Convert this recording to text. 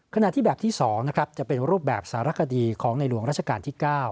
ขณะที่แบบที่๒นะครับจะเป็นรูปแบบสารคดีของในหลวงราชการที่๙